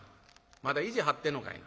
「また意地張ってんのかいな。